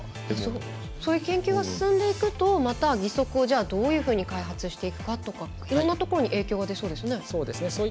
そういう研究が進んでいくと、また義足をどういうふうに開発していくかとかいろんなところに影響が出そうですね。